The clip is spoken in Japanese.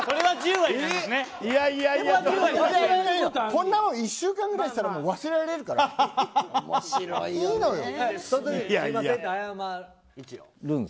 こんなもん１週間ぐらいしたら忘れられるからいいのよ。